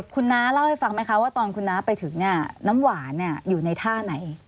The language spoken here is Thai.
คุณน้าเล่าให้ฟังไหมคะว่าตอนคุณน้าไปถึงเนี่ยน้ำหวานอยู่ในท่าไหน